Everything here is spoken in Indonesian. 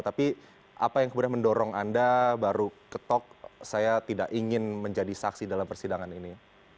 tapi apa yang kemudian mendorong anda baru ketok saya tidak ingin menjadi saksi dalam persidangan ini